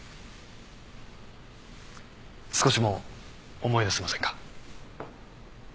少しも思い出せませんか？